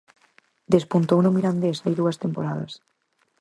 Despuntou no Mirandés hai dúas temporadas.